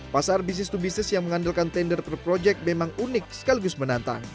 pasar bisnis to bisnis yang mengandalkan tender per project memang unik sekaligus menantang